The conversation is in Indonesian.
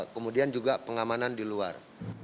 kemudian juga pengamanan di luar